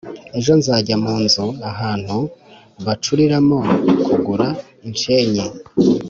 ejo nzajya mu nzu (ahantu) bacuriramo kugura inshenyi